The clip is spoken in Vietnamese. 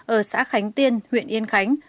ở xã khánh tiên huyện yên khánh